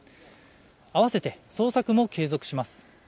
あわせて捜索も継続します。